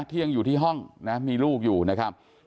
ที่ยังอยู่ที่ห้องนะมีลูกอยู่นะครับ